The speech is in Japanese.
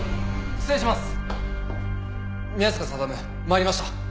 失礼します。